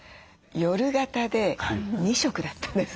夜型で２食だったんです。